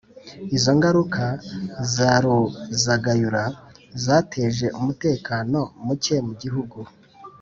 Izo ngaruka za Ruzagayura, zateje umutekano muke mu gihugu